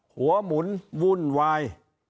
หัวหมุนวุ่นวาย